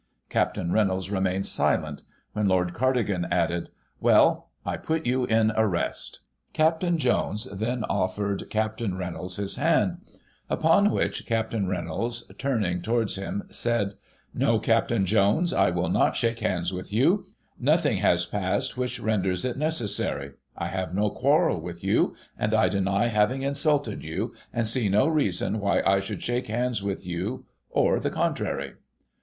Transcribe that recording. Capt. Reynolds remained silent; when Lord Cardigan added, 'Well, I put you in arrest* " Capt. Jones then offered Capt Reynolds his hand , upon which, Capt Reynolds, turning towards him, said, * No, Capt. Jones, I will not shake hands. with you; nothing has passed which renders it necessary. I have no quarrel with you, and I deny having insulted you, and see no reason why I should shake hands with you, or the contrary.'